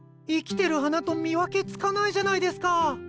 生きてる花と見分けつかないじゃないですか！